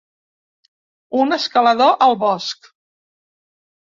Un escalador al bosc.